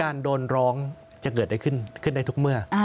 การโดนร้องจะเกิดได้ขึ้นได้ทุกเมื่อ